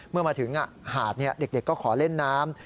เมื่อมาถึงหาดเด็กก็ขอเล่นน้ำ